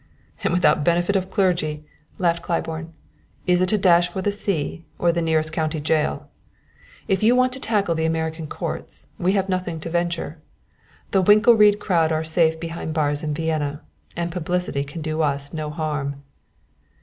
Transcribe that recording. "And without benefit of clergy," laughed Claiborne. "Is it a dash for the sea, or the nearest county jail? If you want to tackle the American courts, we have nothing to venture. The Winkelried crowd are safe behind the bars in Vienna, and publicity can do us no harm."